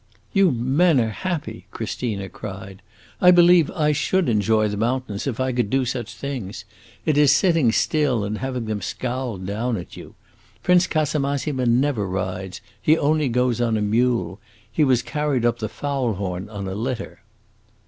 "You men are happy!" Christina cried. "I believe I should enjoy the mountains if I could do such things. It is sitting still and having them scowl down at you! Prince Casamassina never rides. He only goes on a mule. He was carried up the Faulhorn on a litter."